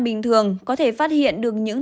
bình thường có thể phát hiện được những